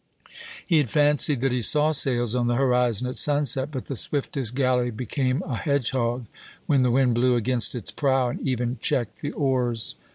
He had fancied that he saw sails on the horizon at sunset, but the swiftest galley became a hedgehog when the wind blew against its prow, and even checked the oars.